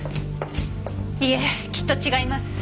いえきっと違います。